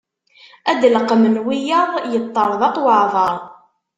Ad d-leqqmen wiyaḍ, yeṭerḍeq waɛbaṛ.